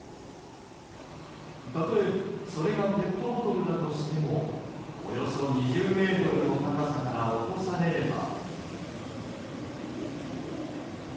たとえ、それがペットボトルだとしてもおよそ２０ｍの高さから落とされれば。